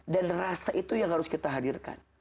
dan rasa itu yang harus kita hadirkan